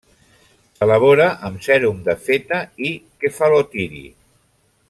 S'elabora amb sèrum de feta i kefalotiri.